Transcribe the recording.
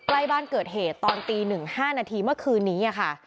ใกล้บ้านเกิดเหตุตอนตี๑๕นาทีเมื่อคืนนี้ค่ะ